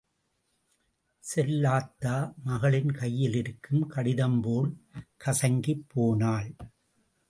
செல்லாத்தா மகளின் கையில் இருக்கும் கடிதம்போல் கசங்கிப் போனாள்.